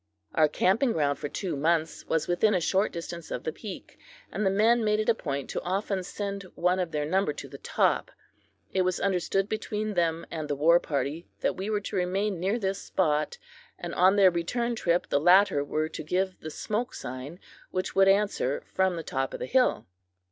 Our camping ground for two months was within a short distance of the peak, and the men made it a point to often send one of their number to the top. It was understood between them and the war party that we were to remain near this spot; and on their return trip the latter were to give the "smoke sign," which we would answer from the top of the hill.